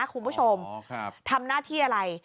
คุณผู้ชมทำหน้าที่อะไร